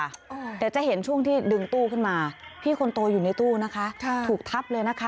เดี๋ยวจะเห็นช่วงที่ดึงตู้ขึ้นมาพี่คนโตอยู่ในตู้นะคะถูกทับเลยนะคะ